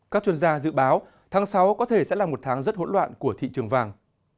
các chuyên gia dự báo tháng sáu có thể sẽ là một tháng rất hỗn loạn của thị trường vàng